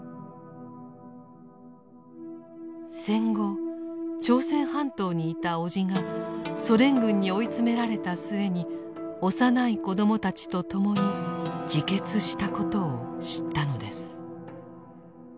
戦後朝鮮半島にいた叔父がソ連軍に追い詰められた末に幼い子供たちと共に自決したことを知ったのです。